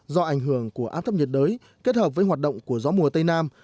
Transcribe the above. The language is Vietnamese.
do ảnh hưởng của áp thấp nhiệt đới kết hợp với hoạt động của gió mùa tây nam